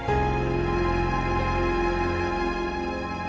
kadang kadang seperti gini itu nyaris aja